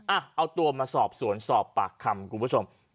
อ้าวมหาวตัวมาสอบสวนสอบปากคำทุกผู้ชม